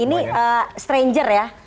ini stranger ya